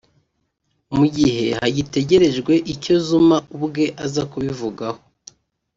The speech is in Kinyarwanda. mu gihe hagitegerejwe icyo Zuma ubwe aza kubivugaho